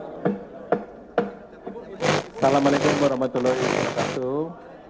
assalamualaikum warahmatullahi wabarakatuh